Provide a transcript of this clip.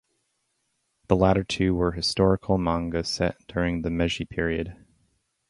The latter two were historical manga, set during the Meiji period.